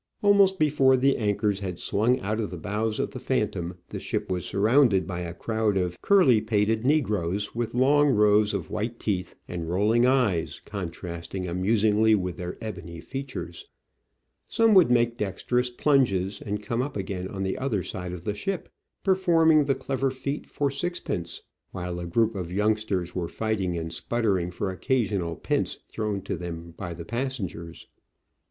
Al most before the anchors had swung out of the bows of Digitized by V:iOOQIC 12 Travels and Adventures the Phantom, the ship was surrounded by a crowd of curly pated negroes, with long rows of white teeth and rolling eyes contrasting amusingly with their ebony features. Some would make dexterous plunges and come up again on the other side of the ship, performing the clever feat for sixpence, while a group of youngsters were fighting and sputtering for occasional pence thrown to them by the pas sengers.